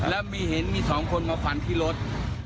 แล้วเห็น๒คนมาฝันที่รถ